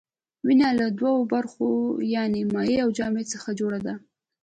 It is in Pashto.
وینه له دوو برخو یعنې مایع او جامد څخه جوړه ده.